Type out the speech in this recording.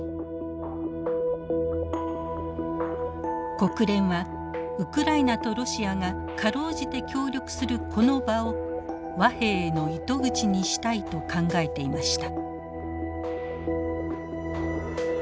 国連はウクライナとロシアが辛うじて協力するこの場を和平への糸口にしたいと考えていました。